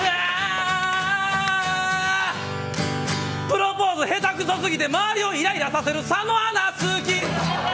プロポーズへたくそすぎて周りをイライラさせる佐野アナ好き。